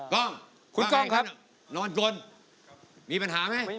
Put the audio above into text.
กล้องคุณกล้องครับนอนบนมีปัญหาไหม